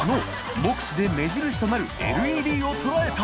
禺輒目視で目印となるＬＥＤを捉えた！